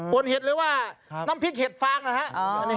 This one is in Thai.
นเห็ดเลยว่าน้ำพริกเห็ดฟางนะฮะ